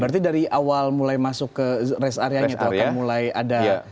berarti dari awal mulai masuk ke rest area itu akan mulai ada pembagian zona gitu ya